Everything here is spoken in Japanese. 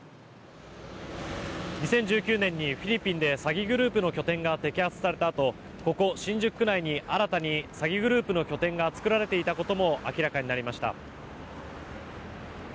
２０１９年にフィリピンで詐欺グループの拠点が摘発されたあとここ、新宿区内に新たに詐欺グループの拠点が作られていたことも明らかになりました。